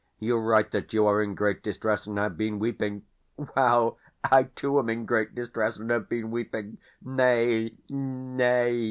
You write that you are in great distress, and have been weeping. Well, I too am in great distress, and have been weeping. Nay, nay.